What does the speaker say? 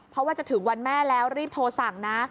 เพราะว่าจะถึงวันแม่แล้วรีบโทรสั่งนะ